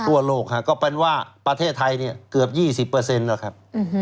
ทั่วโลกฮะก็เป็นว่าประเทศไทยเนี่ยเกือบ๒๐แล้วครับ